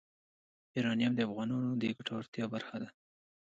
یورانیم د افغانانو د ګټورتیا برخه ده.